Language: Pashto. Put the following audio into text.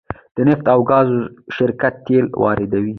د نفت او ګاز شرکت تیل واردوي